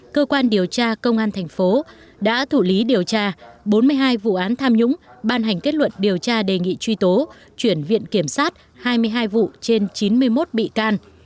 cơ quan điều tra công an thành phố đã thủ lý điều tra bốn mươi hai vụ án tham nhũng ban hành kết luận điều tra đề nghị truy tố chuyển viện kiểm sát hai mươi hai vụ trên chín mươi một bị can